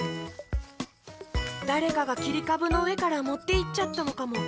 だれかがきりかぶのうえからもっていっちゃったのかも。